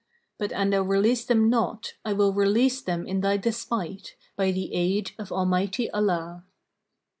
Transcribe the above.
But an thou release them not, I will release them in thy despite, by the aid of Almighty Allah."